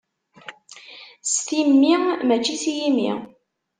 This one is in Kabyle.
S timmi, mačči s yimi.